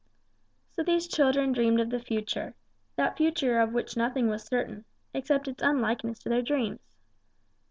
So these children dreamed of the future that future of which nothing was certain, except its unlikeness to their dreams.